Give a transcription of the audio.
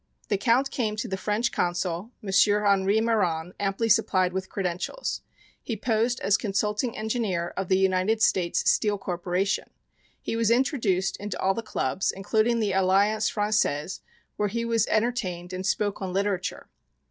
The Count came to the French Consul, M. Henri Meron, amply supplied with credentials. He posed as Consulting Engineer of the United States Steel Corporation. He was introduced into all the clubs, including the Alliance Française, where he was entertained and spoke on literature.